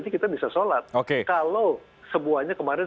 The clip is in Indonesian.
kita bisa sholat kalau semuanya kemarin